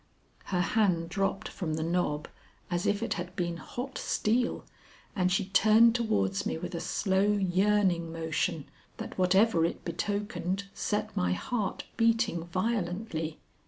Her hand dropped from the knob as if it had been hot steel, and she turned towards me with a slow yearning motion that whatever it betokened set my heart beating violently.